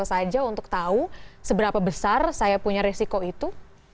atau saya harus berusaha saja untuk tahu seberapa besar saya punya resiko itu